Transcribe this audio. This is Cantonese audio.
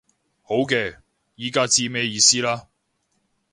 好嘅，依家知咩意思啦